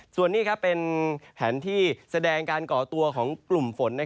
ส่วนนี้เป็นแผนที่แสดงการก่อตัวของกลุ่มฝน